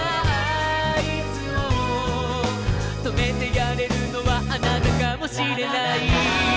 「止めてやれるのはあなたかもしれない」